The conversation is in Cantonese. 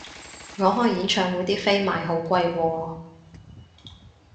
我開演唱會啲飛賣好貴喎